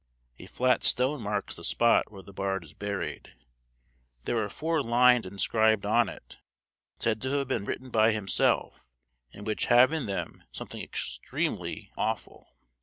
A flat stone marks the spot where the bard is buried. There are four lines inscribed on it, said to have been written by himself, and which have in them something extremely awful.